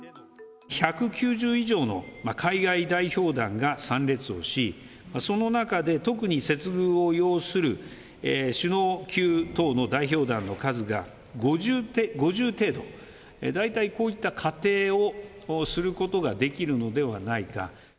１９０以上の海外代表団が参列をし、その中で特に接遇を要する首脳級等の代表団の数が５０程度、大体こういった仮定をすることができるのではないか。